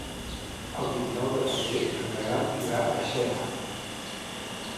El vint-i-nou de febrer en Gaël irà a Xera.